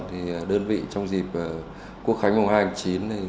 thì đơn vị trong dịp quốc khánh mùng hai hành chín